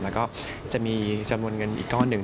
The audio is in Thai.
แล้วก็จะมีจำนวนเงินอีกก้อนหนึ่ง